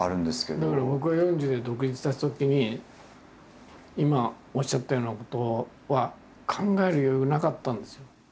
だけど僕が４０で独立したときに今おっしゃったようなことは考える余裕がなかったんですよ。